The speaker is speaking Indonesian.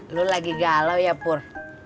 lu lagi galau ya pur